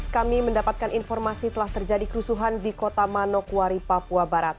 kami mendapatkan informasi telah terjadi kerusuhan di kota manokwari papua barat